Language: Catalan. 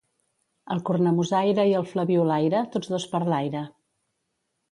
El cornamusaire i el flabiolaire, tots dos per l'aire.